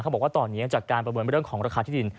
บอกว่าตอนนี้จากการประเมินเรื่องของราคาที่ดิน